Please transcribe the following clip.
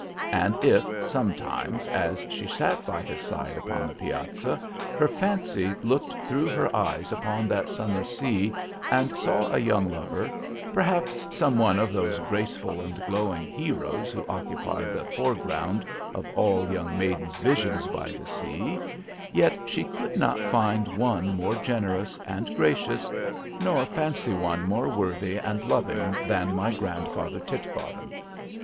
And if, sometimes, as she sat by his side upon the piazza, her fancy looked through her eyes upon that summer sea and saw a younger lover, perhaps some one of those graceful and glowing heroes who occupy the foreground of all young maidens' visions by the sea, yet she could not find one more generous and gracious, nor fancy one more worthy and loving than my grandfather Titbottom.